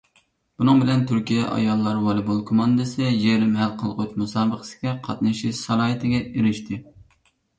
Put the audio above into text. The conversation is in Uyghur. بۇنىڭ بىلەن، تۈركىيە ئاياللار ۋالىبول كوماندىسى يېرىم ھەل قىلغۇچ مۇسابىقىگە قاتنىشىش سالاھىيىتىگە ئېرىشتى.